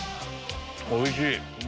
おいしい。